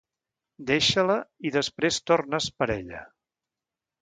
Deixa-la i després tornes per ella.